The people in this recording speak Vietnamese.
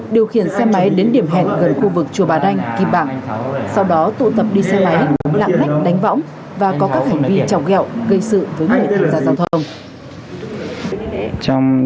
giả ranh kim bảng sau đó tụ tập đi xe máy lạng lách đánh võng